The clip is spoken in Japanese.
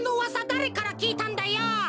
だれからきいたんだよ？